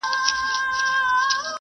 په افغانستان کې خلک غوښه خوښوي.